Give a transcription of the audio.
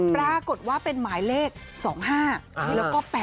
ปรากฏว่าเป็นหมายเลข๒๕แล้วก็๘๘